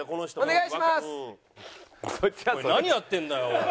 おい何やってんだよ？おい。